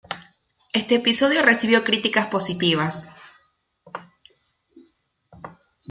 Este episodio recibió críticas positivas.